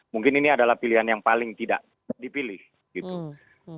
mungkin ini adalah pilihan yang paling tidak dipilih gitu